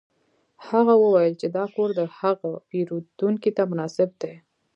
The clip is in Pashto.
هغه وویل چې دا کور د هغه پیرودونکي ته مناسب دی